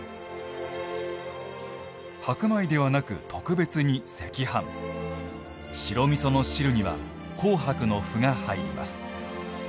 白米ではなく特別に赤飯白みその汁には紅白の麩が入ります。